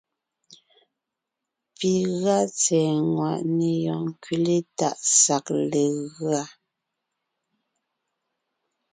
Pi gʉa tsɛ̀ɛ ŋwàʼne yɔɔn ńkẅile tàʼ sag legʉa.